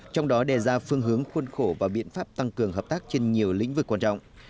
trong đó đề ra phương hướng khuôn khổ và biện pháp tăng cường hợp tác trên nhiều lĩnh vực quan trọng